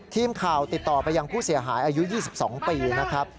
ทีมข่าวติดต่อไปยังผู้เสียหายอายุ๒๒ปีนะครับ